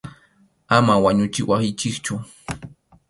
Ama wañuchiwaychikchu.